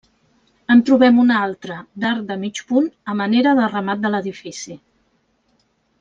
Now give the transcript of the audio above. En trobem una altra d'arc de mig punt a manera de remat de l'edifici.